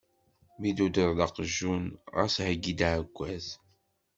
Mi d-tuddreḍ aqjun, ɣas heggi-d aɛekkaz.